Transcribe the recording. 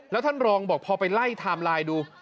แล้วท่านรองบอกพอไปไล่ไทม์ไลน์ดู